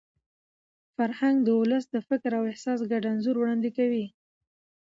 فرهنګ د ولس د فکر او احساس ګډ انځور وړاندې کوي.